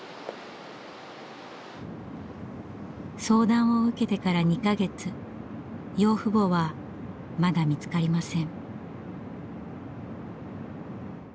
相談を受けてから２か月養父母はまだ見つかりません。